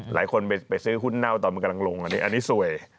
หลายคนไปซื้อหุ้นเน่าตอนมันกำลังลงอันนี้สวย